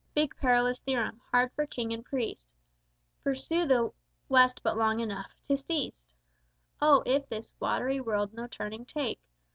Big perilous theorem, hard for king and priest: Pursue the West but long enough, 'tis East! Oh, if this watery world no turning take!